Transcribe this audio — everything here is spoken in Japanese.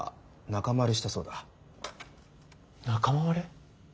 仲間割れ？